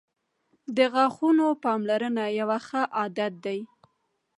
• د غاښونو پاملرنه یو ښه عادت دی.